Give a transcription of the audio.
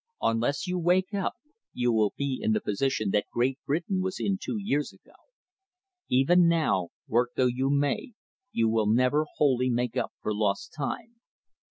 Unless you wake up, you will be in the position that Great Britain was in two years ago. Even now, work though you may, you will never wholly make up for lost time.